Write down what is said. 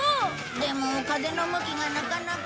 でも風の向きがなかなか。